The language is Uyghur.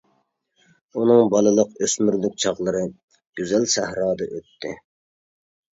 ئۇنىڭ بالىلىق، ئۆسمۈرلۈك چاغلىرى گۈزەل سەھرادا ئۆتتى.